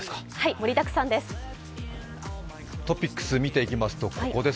盛りだくさんです。